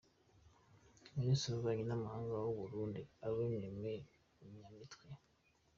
Minisitiri w’ububanyi n’amahanga w’u Burundi, Alain Aime Nyamitwe